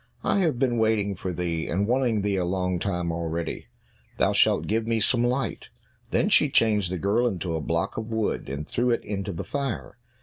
I have been waiting for thee, and wanting thee a long time already; thou shalt give me some light." Then she changed the girl into a block of wood, and threw it into the fire.